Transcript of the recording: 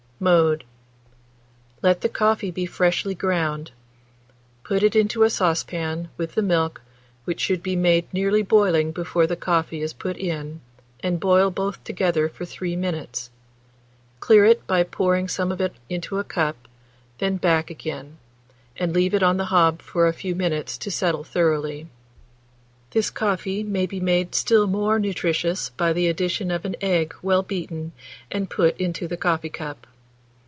Mode. Let the coffee be freshly ground; put it into a saucepan, with the milk, which should be made nearly boiling before the coffee is put in, and boil both together for 3 minutes; clear it by pouring some of it into a cup, and then back again, and leave it on the hob for a few minutes to settle thoroughly. This coffee may be made still more nutritious by the addition of an egg well beaten, and put into the coffee cup.